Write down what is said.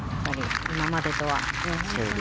今までとは。